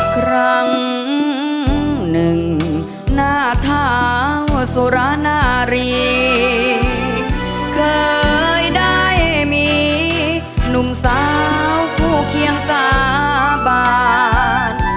ครั้งหนึ่งหน้าเท้าสุรนารีเคยได้มีหนุ่มสาวคู่เคียงสาบาน